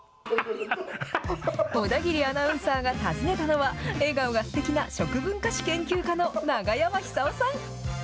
小田切アナウンサーが訪ねたのは、笑顔がすてきな食文化史研究家の永山久夫さん。